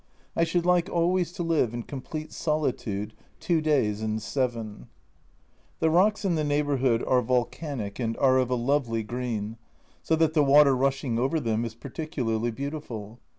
I should like always to live in complete solitude two days in seven. The rocks in the neighbourhood are volcanic and A Journal from Japan 73 are of a lovely green, so that the water rushing over them is particularly beautiful.